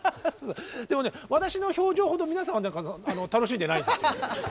でもね私の表情ほど皆さんは楽しんでないんですよ。